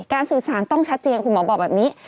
สื่อสารต้องชัดเจนคุณหมอบอกแบบนี้